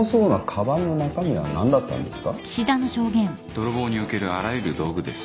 泥棒におけるあらゆる道具です。